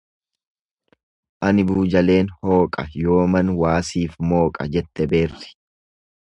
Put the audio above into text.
Ani buujaleen hooqa yooman waa sif mooqa jette beerri.